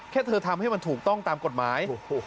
เธอทำให้มันถูกต้องตามกฎหมาย